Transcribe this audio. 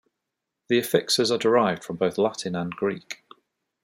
The affixes are derived from both Latin and Greek.